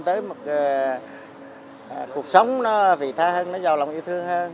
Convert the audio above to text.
tới một cuộc sống nó vị tha hơn nó giàu lòng yêu thương hơn